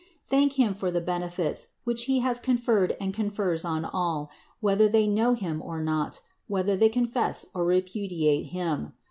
Thank Him for the benefits, which He has conferred and confers on all, whether they know Him or not, whether they confess or repudiate Him.